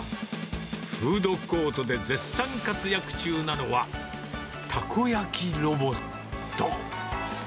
フードコートで絶賛活躍中なのは、たこ焼きロボット。